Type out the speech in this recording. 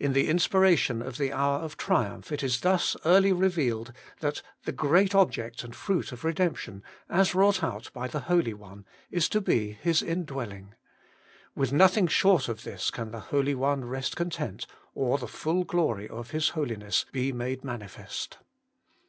In the inspira tion of the hour of triumph it is thus early revealed that the great object and fruit of redemption, as wrought out by the Holy One, is to be His indwell ing : with nothing short of this can the Holy One rest content, or the full glory of His Holiness be made manifest.